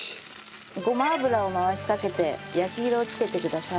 ごま油を回しかけて焼き色を付けてください。